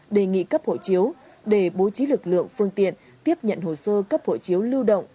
đề nghị cấp hộ chiếu để bố trí lực lượng phương tiện tiếp nhận hồ sơ cấp hộ chiếu lưu động